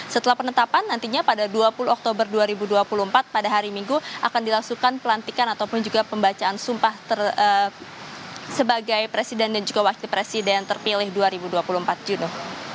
setelah penetapan nantinya pada dua puluh oktober dua ribu dua puluh empat pada hari minggu akan dilangsungkan pelantikan ataupun juga pembacaan sumpah sebagai presiden dan juga wakil presiden terpilih dua ribu dua puluh empat juni